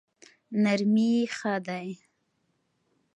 نرمي ښه دی.